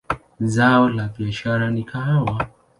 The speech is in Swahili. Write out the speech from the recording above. Zao la biashara ni kahawa.